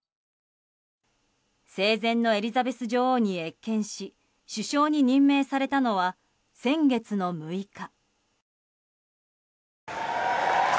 生前のエリザベス女王に謁見し首相に任命されたのは先月の６日。